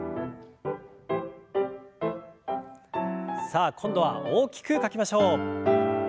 さあ今度は大きく書きましょう。